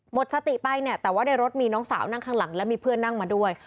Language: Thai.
หมดสติไปเนี่ยแต่ว่าในรถมีน้องสาวนั่งข้างหลังแล้วมีเพื่อนนั่งมาด้วย